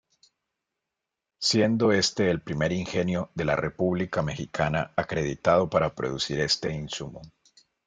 Siendo este el primer ingenio de la República Mexicana acreditado para producir este insumo.